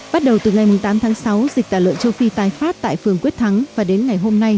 bắt đầu từ ngày tám tháng sáu dịch tả lợn châu phi tái phát tại phường quyết thắng và đến ngày hôm nay